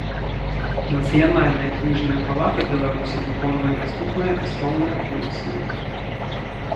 Нацыянальная кнiжная палата Беларусi выконвае наступныя асноўныя функцыi.